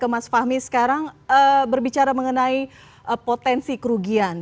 mas fahmi sekarang berbicara mengenai potensi kerugian